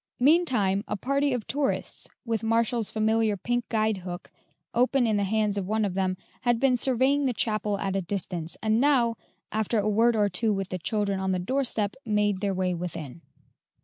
Meantime, a party of tourists, with Marshall's familiar pink guide hook open in the hands of one of them, had been surveying the chapel at a distance, and now, after a word or two with the children on the doorstep, made their way within.